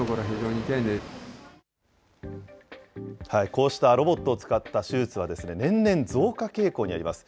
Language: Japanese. こうしたロボットを使った手術は年々増加傾向にあります。